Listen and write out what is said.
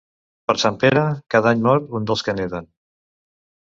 Per Sant Pere, cada any mor un dels que neden.